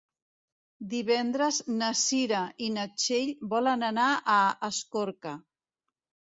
Divendres na Cira i na Txell volen anar a Escorca.